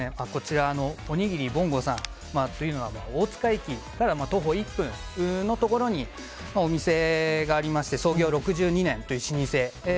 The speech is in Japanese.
おにぎりぼんごさんは大塚駅から徒歩１分のところにお店がありまして創業６２年という老舗。